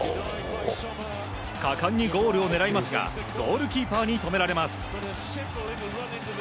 果敢にゴールを狙いますがゴールキーパーに止められます。